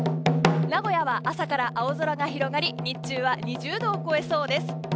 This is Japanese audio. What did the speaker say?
名古屋は朝から青空が広がり日中は２０度を超えそうです。